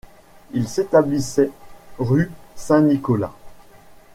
Il s'établissait rue Saint-Nicolas.